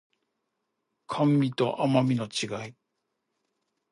甘味と甘味の違い